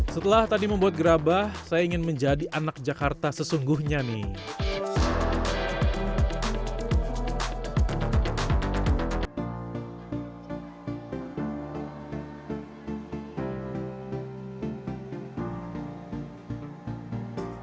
setelah tadi membuat gerabah saya ingin menjadi anak jakarta sesungguhnya nih